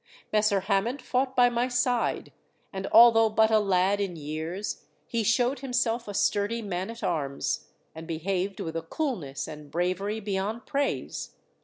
Messer Hammond fought by my side, and although but a lad in years, he showed himself a sturdy man at arms, and behaved with a coolness and bravery beyond praise.